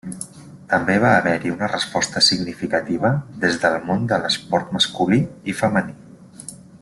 També va haver-hi una resposta significativa des del món de l'esport masculí i femení.